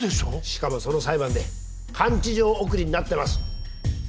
しかもその裁判で監置場送りになってます。